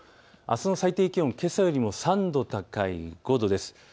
あすの最低気温けさよりも３度５度です。